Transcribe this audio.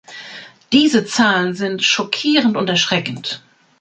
Diese Zahlen sind schockierend und erschreckend.